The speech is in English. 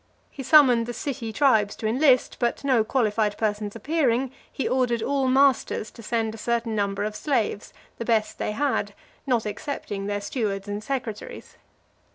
He summoned the city tribes to enlist; but no qualified persons appearing, he ordered all masters to send a certain number of slaves, the best they had, not excepting their stewards and secretaries.